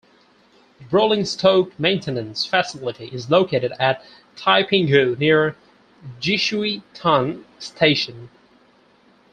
The rolling stock maintenance facility is located at Taipinghu, near Jishuitan station.